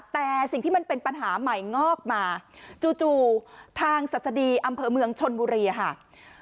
แต่สิ่งที่มันเป็นปัญหาใหม่งอกมาจู่ทางศัษฎีอำเภอเมืองชนบุรีค่ะ